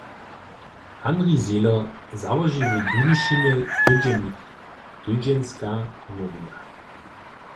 Handrij Zejler załoži w Budyšinje tydźenik „Tydźenska Nowina“.